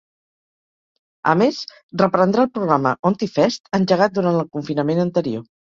A més, reprendrà el programa ‘Ontifest’ engegat durant el confinament anterior.